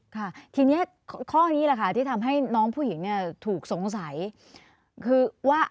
ค่ะทีนี้ข้อนี้แหละค่ะที่ทำให้น้องผู้หญิงเนี่ยถูกสงสัยคือว่า